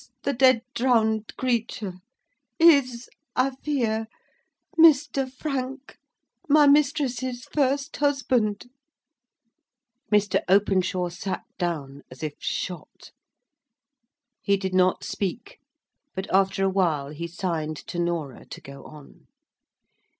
the dead, drowned creature is, I fear, Mr. Frank, my mistress's first husband!" Mr. Openshaw sate down, as if shot. He did not speak; but, after a while, he signed to Norah to go on.